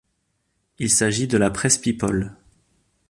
Il s'agit de la presse people.